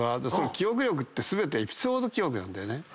記憶力って全てエピソード記憶なんだよね。